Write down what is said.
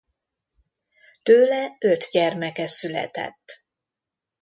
Tőle öt gyermeke született.